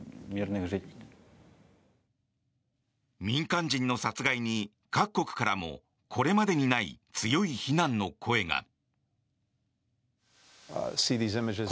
民間人の殺害に各国からもこれまでにない強い非難の声が。